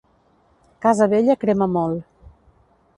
Casa vella crema molt.